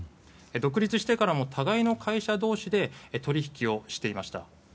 独立してからも互いの会社同士で取引をしていました。